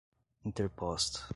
interposta